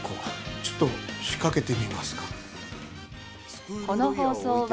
ちょっと仕掛けてみますか。